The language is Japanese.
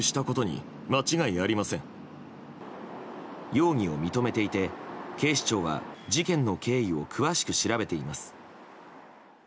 容疑を認めていて、警視庁は事件の経緯を詳しく調べています。